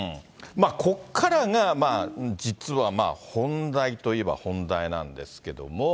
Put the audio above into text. ここからがまあ、実はまあ、本題といえば本題なんですけれども。